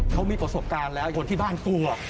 เขามีประสบการณ์แล้วคนที่บ้านกู